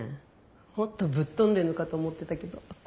もっとぶっ飛んでんのかと思ってたけど。